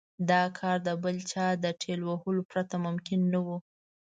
دا کار د بل چا د ټېل وهلو پرته ممکن نه و.